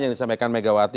yang disampaikan megawati